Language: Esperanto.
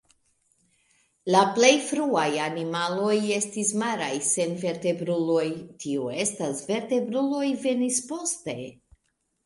La plej fruaj animaloj estis maraj senvertebruloj, tio estas, vertebruloj venis poste.